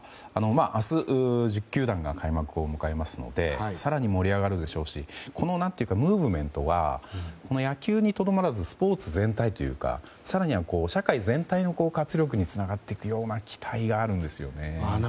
明日１０球団が開幕を迎えますので更に盛り上がるでしょうしこのムーブメントは野球にとどまらずスポーツ全体更には社会全体の活力につながっていくような期待があるんですよね。